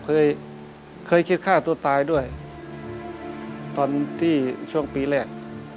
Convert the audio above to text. เคยเคยคิดฆ่าตัวตายด้วยตอนที่ช่วงปีแรก